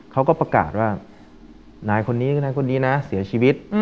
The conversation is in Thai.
เขาก็ประกาศว่านายคนนี้คือนายคนนี้นะเสียชีวิต